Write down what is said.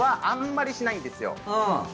あまりしないんですよ。